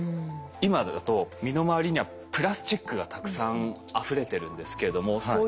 今だと身の回りにはプラスチックがたくさんあふれてるんですけれどもいや。